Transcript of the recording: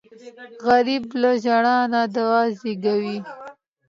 غریب له ژړا نه دعا زېږوي